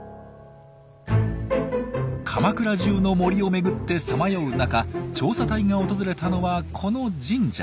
鎌倉じゅうの森を巡ってさまよう中調査隊が訪れたのはこの神社。